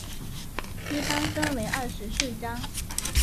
一般分为二十四章。